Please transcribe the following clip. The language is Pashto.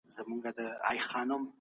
بې ځایه مصارف مه کوئ.